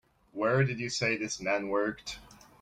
Where did you say this man worked?